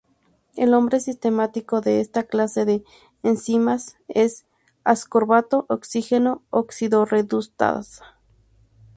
El nombre sistemático de esta clase de enzimas es L-ascorbato: oxígeno oxidorreductasa.